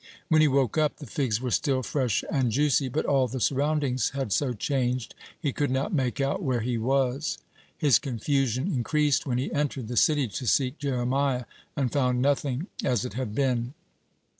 When he woke up, the figs were still fresh and juicy, but all the surroundings had so changed, he could not make out where he was. His confusion increased when he entered the city to seek Jeremiah, and found nothing as it had been.